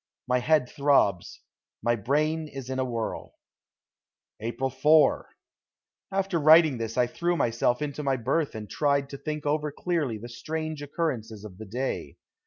My head throbs; my brain is in a whirl. April 4. After writing this I threw myself into my berth and tried to think over clearly the strange occurrences of the day.